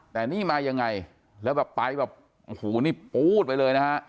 แต่นี่มายังไงแล้วแบบไปแบบโอ้โหนี่ปู๊ดไปเลยนะฮะ